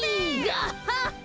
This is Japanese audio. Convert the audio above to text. ガッハハ！